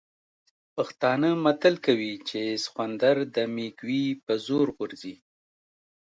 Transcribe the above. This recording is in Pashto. پښتانه متل کوي چې سخوندر د مېږوي په زور غورځي.